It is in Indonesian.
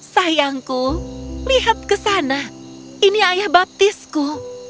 sayangku lihat ke sana ini ayah baptisku